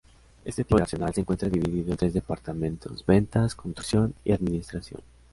Este tipo de arsenal se encuentra dividido en tres departamentos: ventas, construcción y administración.